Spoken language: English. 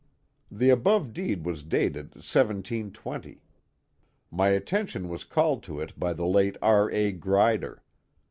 The above deed was dated 1720. My attention was called to it by the late R, A. Grider.